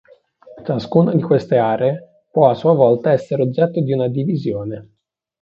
Ciascuna di queste aree può a sua volta essere oggetto di una divisione.